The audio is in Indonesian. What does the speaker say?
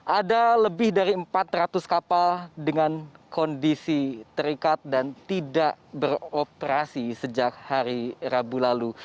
ada lebih dari empat ratus kapal dengan kondisi terikat dan tidak beroperasi sejak hari rabu lalu